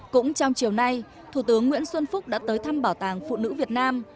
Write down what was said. cũng trong chiều nay thủ tướng nguyễn xuân phúc đã tới thăm bảo tàng phụ nữ việt nam